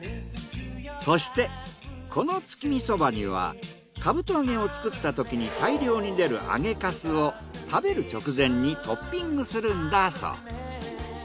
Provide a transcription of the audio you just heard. そしてこの月見そばにはかぶと揚げを作ったときに大量に出る揚げかすを食べる直前にトッピングするんだそう。